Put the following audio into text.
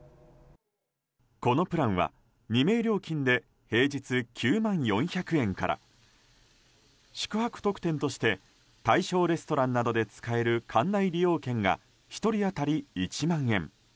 このプランは２名料金で平日９万４００円から宿泊特典として対象レストランなどで使える館内利用券が１人当たり１万円。